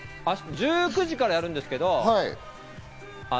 １９時からやるんですけど。